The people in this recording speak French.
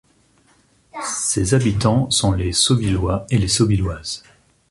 Ses habitants sont les Sauvillois et les Sauvilloises.